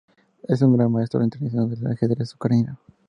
Es un Gran Maestro Internacional de ajedrez ucraniano.